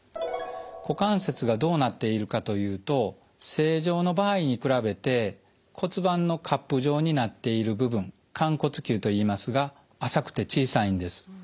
股関節がどうなっているかというと正常の場合に比べて骨盤のカップ状になっている部分寛骨臼といいますが浅くて小さいんです。